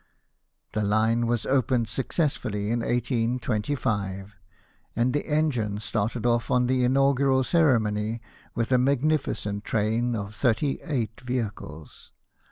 The line was opened successfully in 1825, and the engine started off on the inaugural ceremony with a magnificent train of thirty eight vehicles.